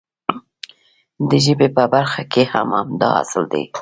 د ژبې په برخه کې هم همدا اصل دی.